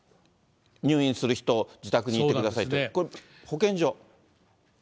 入院する人、自宅にいてくださいって、これ、保健所？